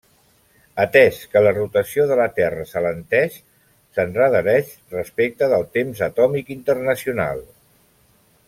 Atès que la rotació de la Terra s'alenteix, s'endarrereix respecte del temps atòmic internacional.